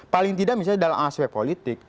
paling tidak misalnya dalam aspek politik